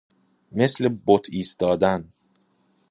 مثل بت ایستادن